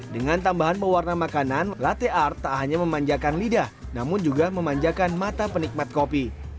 dengan tambahan pewarna makanan latte art tak hanya memanjakan lidah namun juga memanjakan mata penikmat kopi